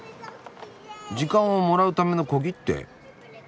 時間をもらうための小切手。